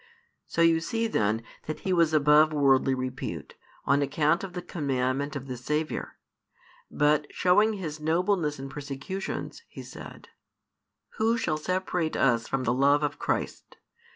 So you see then that he was above worldly repute, on account of the commandment of the Saviour. But, showing his nobleness in persecutions, he said: Who shall separate us from the love of Christ?